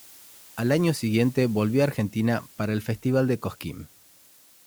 Al año siguiente volvió a Argentina para el Festival de Cosquín.